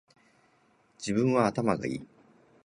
自分は頭がいい